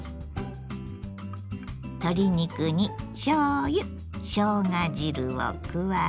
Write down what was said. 鶏肉にしょうゆしょうが汁を加え。